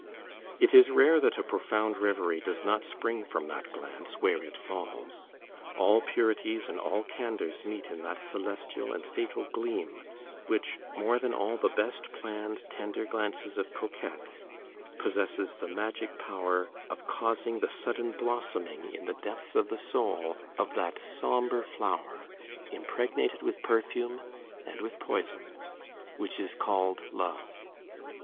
It is rare that a profound reverie does not spring from that glance, where it falls. All purities and all candors meet in that celestial and fatal gleam which, more than all the best planned tender glances of coquettes, possesses the magic power of causing the sudden blossoming, in the depths of the soul, of that sombre flower, impregnated with perfume and with poison, which is called love.